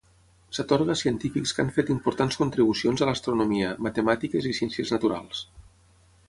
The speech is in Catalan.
S'atorga a científics que han fet importants contribucions a l'astronomia, matemàtiques i ciències naturals.